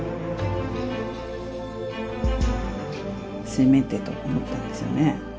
せめてと思ったんですよね。